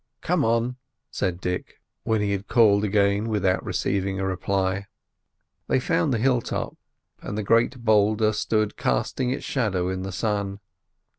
"Come on," said Dick, when he had called again without receiving a reply. They found the hill top, and the great boulder stood casting its shadow in the sun.